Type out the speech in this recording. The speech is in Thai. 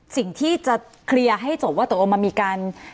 สิ่งที่จะเคลียร์ให้จบว่าตกลงมันมีการ